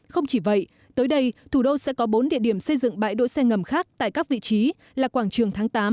không chỉ vậy tới đây thủ đô sẽ có bốn địa điểm xây dựng bãi đỗ xe ngầm khác tại các vị trí là quảng trường tháng tám